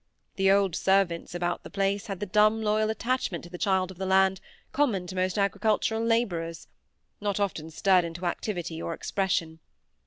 The old servants about the place had the dumb loyal attachment to the child of the land, common to most agricultural labourers; not often stirred into activity or expression.